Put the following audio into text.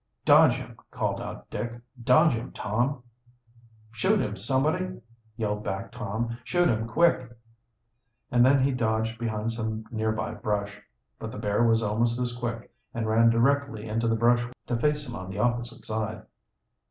"Dodge him!" called out Dick. "Dodge him, Tom!" "Shoot him, somebody!" yelled back Tom. "Shoot him, quick!" And then he dodged behind some nearby brush. But the bear was almost as quick, and ran directly into the brushwood, to face him on the opposite side.